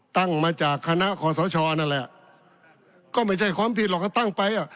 ตั้งมาจากคณะคอสชนั่นแหละก็ไม่ใช่ความผิดหรอกก็ตั้งไปอ่ะ